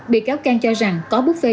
bị cáo cang cho rằng có bút phê